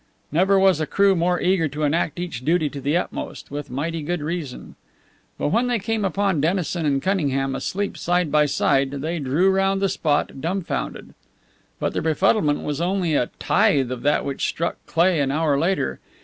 Never was a crew more eager to enact each duty to the utmost with mighty good reason. But when they came upon Dennison and Cunningham, asleep side by side, they drew round the spot, dumfounded. But their befuddlement was only a tithe of that which struck Cleigh an hour later.